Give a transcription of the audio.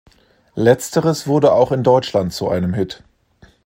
Letzteres wurde auch in Deutschland zu einem Hit.